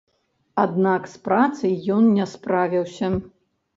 Аднак з працай ён не справіўся.